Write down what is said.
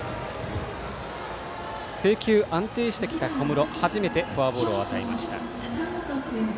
制球が安定してきた小室ですが初めてフォアボールを与えました。